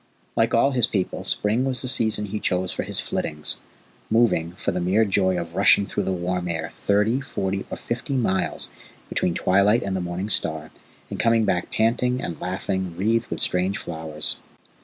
Like all his people, spring was the season he chose for his flittings moving, for the mere joy of rushing through the warm air, thirty, forty, or fifty miles between twilight and the morning star, and coming back panting and laughing and wreathed with strange flowers.